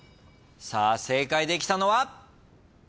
正解できたのは？